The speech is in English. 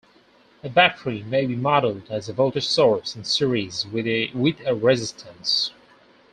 A battery may be modeled as a voltage source in series with a resistance.